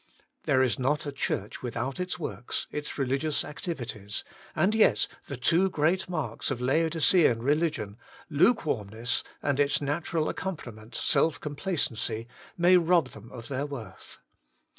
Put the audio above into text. There is not a church without its works, its religious activities. And yet the two great marks of Laodicean reHgion, lukewarmness. and its natural ac companiment, self complacence, may rob them of their worth.